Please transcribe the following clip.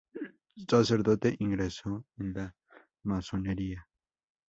Sacerdote, ingresó en la masonería.